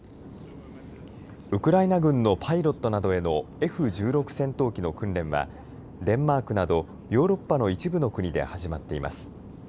ウクライナ軍のパイロットなどへのＦ１６戦闘機の訓練はデンマークなどヨーロッパの一部の国で始まっています。